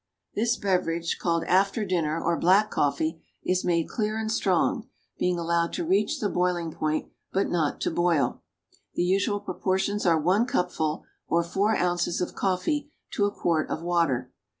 This beverage, called after dinner or black coffee, is made clear and strong, being allowed to reach the boiling point, but not to boil. The usual proportions are one cupful (or four ounces) of coffee to a quart of water.